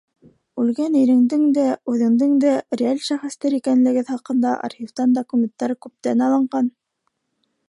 Үлгән иреңдең дә, үҙеңдең дә реаль шәхестәр икәнлегегеҙ хаҡында архивтан документтар күптән алынған.